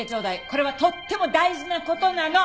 これはとっても大事な事なの！